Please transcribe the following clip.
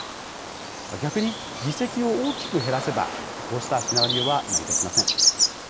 逆に、議席を大きく減らせばこうしたシナリオは成り立ちません。